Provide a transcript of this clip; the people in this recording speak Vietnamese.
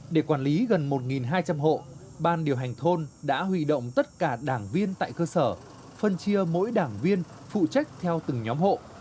để quản lý gần một hai trăm linh hộ ban điều hành thôn đã huy động tất cả đảng viên tại cơ sở phân chia mỗi đảng viên phụ trách theo từng nhóm hộ